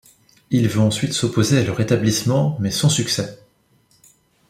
Il veut ensuite s'opposer à leur établissement mais sans succès.